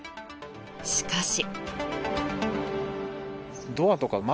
しかし。